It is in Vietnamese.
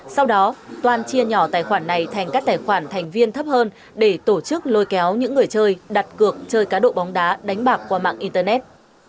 sau đó toan chia nhỏ tài khoản này thành các tài khoản thành viên thấp hơn để tổ chức lôi kéo những người chơi đặt cược chơi cá độ bóng đá đánh bạc qua mạng internet